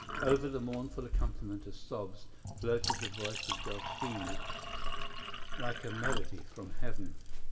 Over the mournful accompaniment of sobs floated the voice of Delphine like a melody from heaven.